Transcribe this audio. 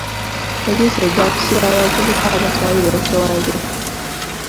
Poliisi ejja kusiba abavubuka abatali beetoowaze.